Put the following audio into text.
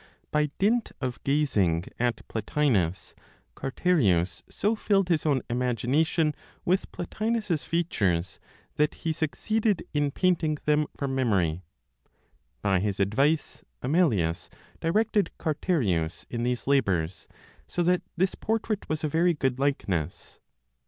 By dint of gazing at Plotinos, Carterius so filled his own imagination with Plotinos's features that he succeeded in painting them from memory. By his advice, Amelius directed Carterius in these labors, so that this portrait was a very good likeness.